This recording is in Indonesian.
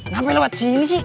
ngapain lewat sini sih